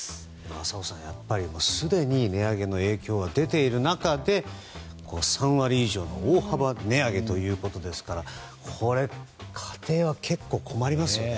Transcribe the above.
浅尾さん、すでに値上げの影響は出ている中で３割以上の大幅値上げですからこれは家庭は結構、困りますよね。